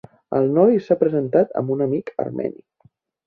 El noi s'ha presentat amb un amic armeni.